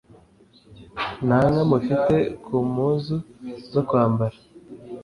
nta nka mufite ku mpuzu zo kwambara